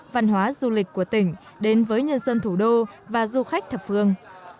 văn hóa du lịch của tỉnh đến với nhân dân thủ đô và du khách thập phương